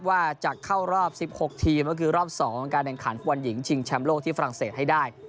ว่าจะเข้ารอบ๑๖ทีมก็คือรอบ๒การแข่งขันฟุตบอลหญิงชิงแชมป์โลกที่ฝรั่งเศสให้ได้